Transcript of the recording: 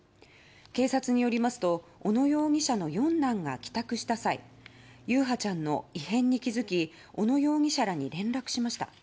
警察によりますと小野容疑者の四男が帰宅した際優陽ちゃんの異変に気付き小野容疑者らに連絡しました。